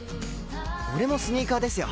俺もスニーカーですよ。